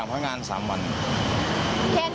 ตรงโทษอย่างอื่นทางตัวเขาเอง